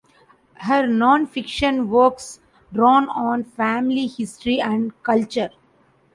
Her nonfiction works draw on family history and culture.